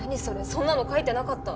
そんなの書いてなかった。